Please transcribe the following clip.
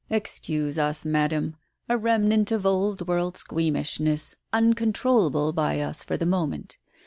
"Excuse us, Madam. A remnant of old world squeamishness, uncontrollable by us for the moment.